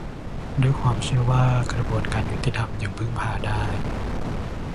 ด้วยความเชื่อว่ากระบวนการยุติธรรมยังพึ่งพาได้